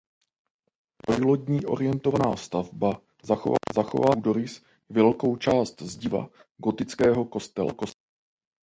Trojlodní orientovaná stavba zachovává půdorys i velkou část zdiva gotického kostela.